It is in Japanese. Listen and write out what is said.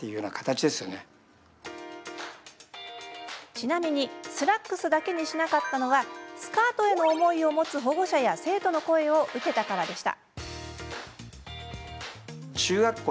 ちなみにスラックスだけにしなかったのはスカートへの思いを持つ保護者や生徒の声を受けたからでした。